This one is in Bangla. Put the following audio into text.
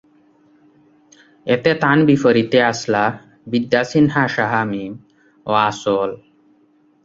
এতে তার বিপরীতে ছিলেন বিদ্যা সিনহা সাহা মীম ও আঁচল।